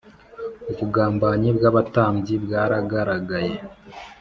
ubugambanyi bw’abatambyi bwaragaragaye